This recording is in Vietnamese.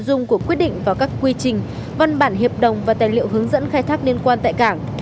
nội dung của quyết định và các quy trình văn bản hiệp đồng và tài liệu hướng dẫn khai thác liên quan tại cảng